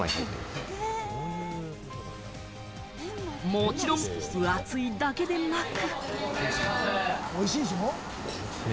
もちろん、分厚いだけでなく。